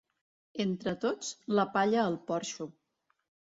Entre tots, la palla al porxo.